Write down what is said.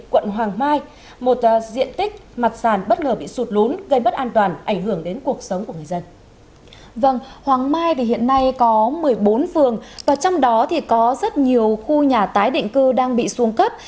vâng hoàng mai thì hiện nay có một mươi bốn phường và trong đó thì có rất nhiều khu nhà tái định cư đang bị xuống cấp